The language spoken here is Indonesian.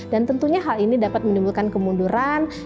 dan tentunya hal ini dapat menimbulkan kemunduran